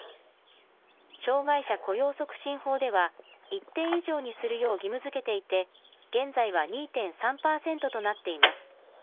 障害者雇用促進法では、一定以上にするよう義務づけていて、現在は２．３％となっています。